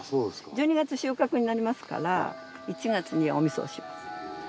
１２月収穫になりますから１月にお味噌にします。